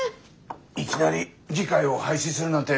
いきなり議会を廃止するなんて